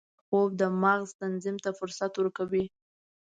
خوب د مغز تنظیم ته فرصت ورکوي